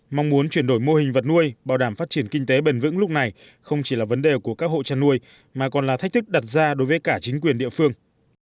mong muốn chuyển đổi mô hình vật nuôi bảo đảm phát triển kinh tế bền vững lúc này không chỉ là vấn đề của các hộ chăn nuôi mà còn là thách thức đặt ra đối với cả chính quyền địa phương